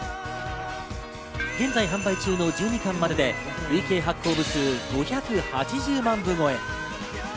現在販売中の１２巻までで累計発行部数５８０万超え。